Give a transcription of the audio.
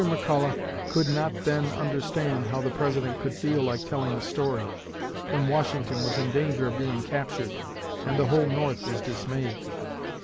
McCulloch could not then understand how the President could feel like telling a story, when Washington was in danger of being captured and the whole North was dismayed.